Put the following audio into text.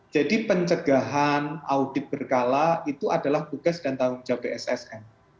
jadi pencegahan audit berkala itu adalah tugas dan tanggung jawab bssn